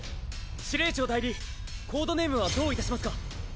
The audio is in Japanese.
指令長代理コードネームはどういたしますか？